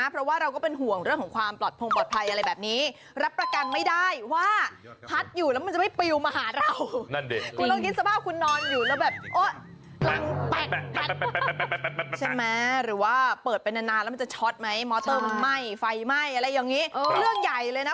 เพราะว่าเราก็เป็นห่วงเรื่องของความปลอดภัยอะไรแบบนี้รับประกันไม่ได้ว่าพัดอยู่แล้วมันจะไม่ปริวมาหาเรา